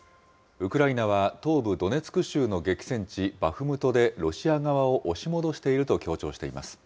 ウクライナは東部ドネツク州の激戦地バフムトで、ロシア側を押し戻していると強調しています。